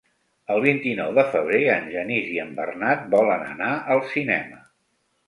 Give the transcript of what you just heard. El vint-i-nou de febrer en Genís i en Bernat volen anar al cinema.